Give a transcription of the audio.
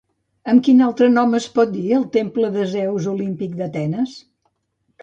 Amb quin altre nom es pot dir el Temple de Zeus Olímpic d'Atenes?